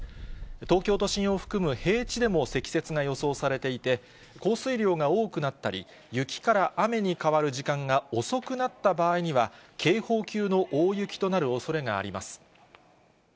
東京都心を含む平地でも積雪が予想されていて、降水量が多くなったり、雪から雨に変わる時間が遅くなった場合には、警報級の大雪となるおそれがあります。